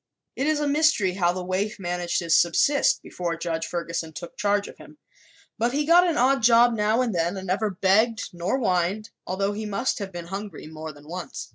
It is a mystery how the waif managed to subsist before Judge Ferguson took charge of him; but he got an odd job now and then and never begged nor whined, although he must have been hungry more than once.